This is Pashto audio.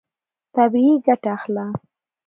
طبیعي ګټه اخله.